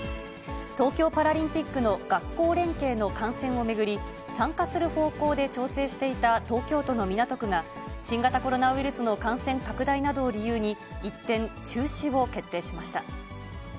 東京パラリンピックの学校連携の観戦を巡り、参加する方向で調整していた東京都の港区が、新型コロナウイルスの感染拡大などを理由に、一転、中止を決定しました。